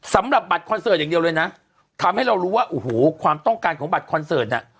สำหรับบัตรคอนเสิร์ตอย่างเดียวเลยนะทำให้เรารู้ว่าโอ้โหความต้องการของบัตรคอนเสิร์ตน่ะ